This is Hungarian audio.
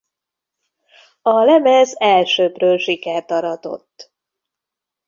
A lemez elsöprő sikert aratott.